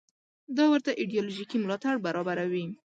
دا ورته ایدیالوژیکي ملاتړ برابروي.